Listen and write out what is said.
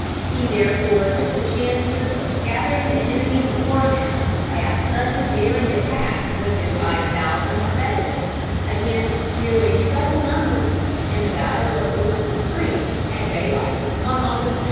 He therefore took the chances of scattering the enemy before him by a sudden, daring attack with his five thousand effectives, against nearly treble numbers, in the battle of Wilson's Creek, at daylight on August 10.